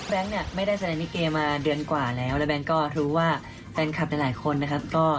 เนี่ยไม่ได้แสดงลิเกมาเดือนกว่าแล้วแล้วแบงค์ก็รู้ว่าแฟนคลับหลายคนนะครับ